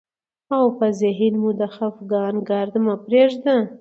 او په ذهن مو د خفګان ګرد مه پرېږدئ،